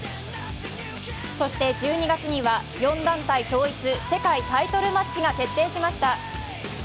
そして１２月には、４団体統一世界タイトルマッチが決定しました。